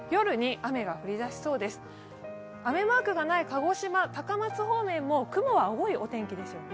雨マークがない鹿児島・高松方面も雲は多いお天気ですね。